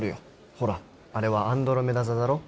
ほらあれはアンドロメダ座だろ？